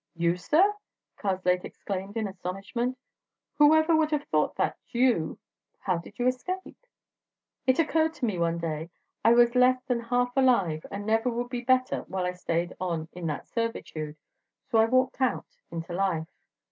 "You, sir?" Karslake exclaimed in astonishment. "Whoever would have thought that you ... How did you escape?" "It occurred to me, one day, I was less than half alive and never would be better while I stayed on in that servitude. So I walked out—into life."